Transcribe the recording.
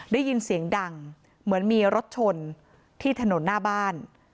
ได้ยินเสียงดังเหมือนมีรถชนที่ถนนหน้าบ้าน